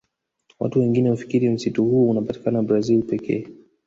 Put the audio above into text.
Watu wengine hufikiri msitu huu unapatikana Brazil pekee